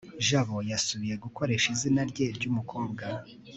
jabo yasubiye gukoresha izina rye ryumukobwa